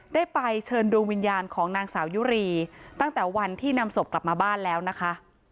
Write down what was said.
ได้ไปเชิญดวงวิญญาณของนางสาวยุรีตั้งแต่วันที่นำศพกลับมาบ้านแล้วนะคะ